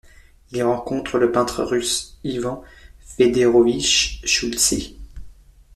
Il y rencontre le peintre russe Ivan Fedorovich Choultsé.